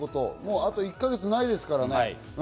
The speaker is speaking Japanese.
あと１か月ないですからね。